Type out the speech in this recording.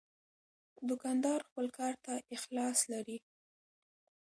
دوکاندار خپل کار ته اخلاص لري.